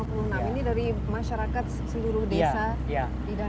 tiga ratus lima puluh enam ini dari masyarakat seluruh desa di danau sentarung